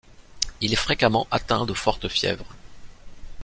Il est fréquemment atteint de fortes fièvres.